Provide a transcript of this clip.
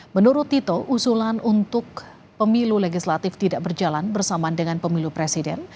menurut tito usulan untuk pemilu legislatif tidak berjalan bersamaan dengan pemilu presiden